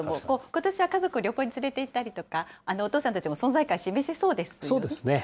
ことしは家族を旅行へ連れていったりとか、お父さんたちも存在感そうですね。